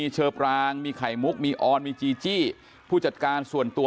เชอปรางมีไข่มุกมีออนมีจีจี้ผู้จัดการส่วนตัว